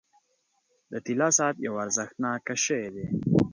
• د طلا ساعت یو ارزښتناک شی دی.